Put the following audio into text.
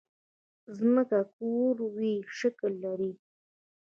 ځمکه کوروي شکل لري